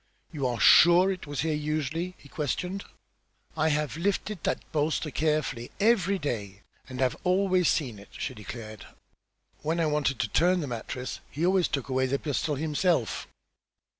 "You are sure it was here usually?" he questioned. "I have lifted that bolster carefully every day, and have always seen it," she declared. "When I wanted to turn the mattress he always took away the pistol himself."